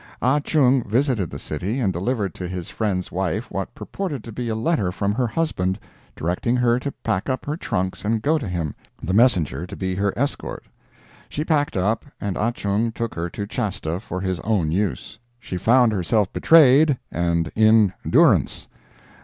Ah Chung visited the city, and delivered to his friend's wife what purported to be a letter from her husband, directing her to pack up her trunks and go to him, the messenger to be her escort. She packed up, and Ah Chung took her to Shasta for his own use. She found herself betrayed, and in durance.